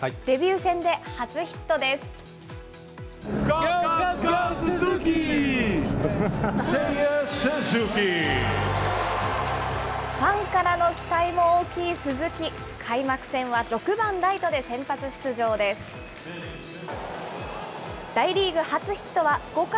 デビュー戦で初ヒットです。